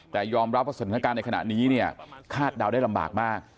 แต่ยอมรับว่าสถานการณ์ในขณะนี้เนี่ยคาดเดาได้ลำบากมาก